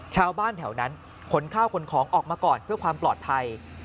ชาวบ้านแถวนั้นขนข้าวขนของออกมาก่อนเพื่อความปลอดภัย